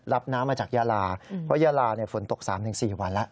รับน้ำมาจากยาลาเพราะยาลาเนี่ยฝนตกสามถึงสี่วันแล้ว